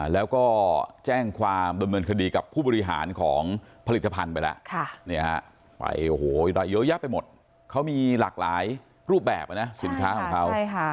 แล้วก็แจ้งความดำเนินคดีกับผู้บริหารของผลิตภัณฑ์ไปแล้วไปโอ้โหเยอะแยะไปหมดเขามีหลากหลายรูปแบบนะสินค้าของเขา